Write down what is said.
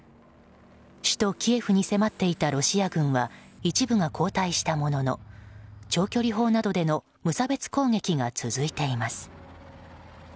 首都キエフに迫っていたロシア軍は一部が後退したものの長距離砲などでの無差別攻撃が続いています。